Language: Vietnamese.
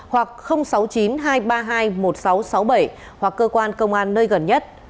hoặc sáu mươi chín hai trăm ba mươi hai một nghìn sáu trăm sáu mươi bảy hoặc cơ quan công an nơi gần nhất